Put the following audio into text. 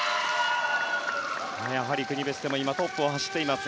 やはり国別でもトップを走っています